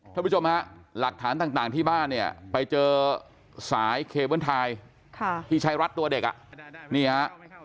ท่านผู้ชมฮะหลักฐานต่างที่บ้านเนี่ยไปเจอสายเคเบิ้ลไทยที่ใช้รัดตัวเด็กอ่ะนี่ฮะ